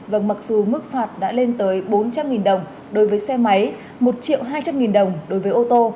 vâng mặc dù mức phạt đã lên tới bốn trăm linh đồng đối với xe máy một hai trăm linh nghìn đồng đối với ô tô